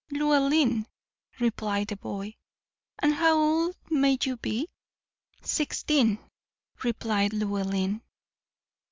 "Llewellyn," replied the boy. "And how old may you be?" "Sixteen," replied Llewellyn.